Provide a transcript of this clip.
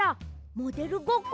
モデルごっこ？